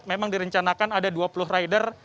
memang direncanakan ada dua puluh rider